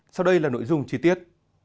sau đây là nội dung chi tiết